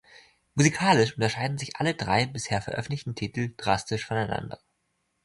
Musikalisch unterscheiden sich alle drei bisher veröffentlichten Titel drastisch voneinander.